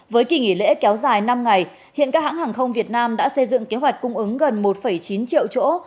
với kỳ nghỉ lễ kéo dài năm ngày hiện các hãng hàng không việt nam đã xây dựng kế hoạch cung ứng gần một chín triệu chỗ